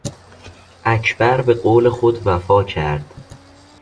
اکبر به قول خود وفا کرد.